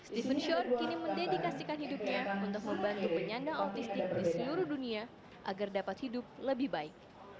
steven short kini mendedikasikan hidupnya untuk membantu penyandang autistik di seluruh dunia agar dapat hidup lebih baik